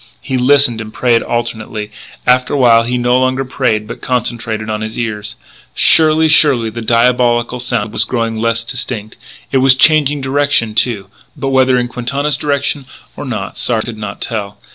He listened and prayed alternately. After a while he no longer prayed but concentrated on his ears. Surely, surely, the diabolical sound was growing less distinct.... It was changing direction too. But whether in Quintana's direction or not Sard could not tell.